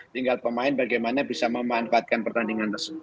tinggal pemain bagaimana bisa memanfaatkan pertandingan tersebut